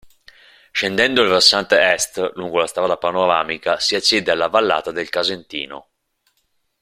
Scendendo il versante est lungo la strada panoramica si accede alla vallata del Casentino.